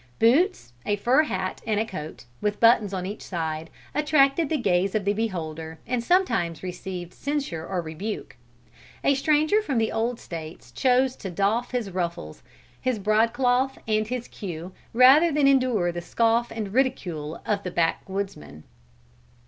Boots, a fur hat and a coat, with buttons on each side, attracted the gaze of the beholder and sometimes received censure or rebuke. A stranger from the old States chose to doff his ruffles, his broad cloth and his cue rather than endure the scoff and ridicule of the backwoodsman.